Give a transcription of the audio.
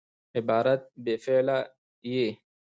عبارت بې فعله يي.